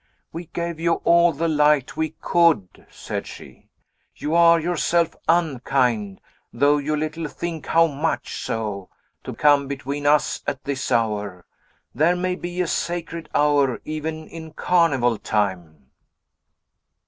"We gave you all the light we could," said she. "You are yourself unkind, though you little think how much so, to come between us at this hour. There may be a sacred hour, even in carnival time."